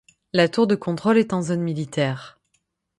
La tour de contrôle est en zone militaire.